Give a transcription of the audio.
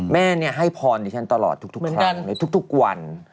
แม่ให้พรดิฉันตลอดทุกครั้งในทุกวัน